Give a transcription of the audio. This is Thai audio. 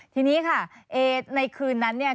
ทีนี้ค่ะในคืนนั้นเนี่ย